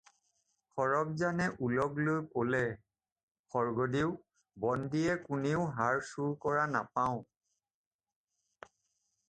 সৰব্জানে ওলগ লৈ ক'লে- "স্বৰ্গদেও! বন্দীয়ে কোনেও হাৰ চুৰ কৰা নাপাওঁ।